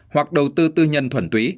hoặc đầu tư tư nhân thuẩn túy